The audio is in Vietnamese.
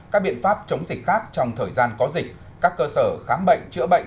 các biện pháp chống dịch khác trong thời gian có dịch các cơ sở khám bệnh chữa bệnh